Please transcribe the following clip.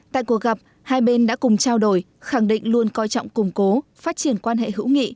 tại cuộc gặp hai bên đã cùng trao đổi khẳng định luôn coi trọng củng cố phát triển quan hệ hữu nghị